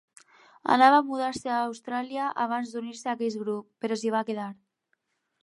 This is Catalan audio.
Anava a mudar-se a Austràlia abans d'unir-se a aquest grup, però s'hi va quedar.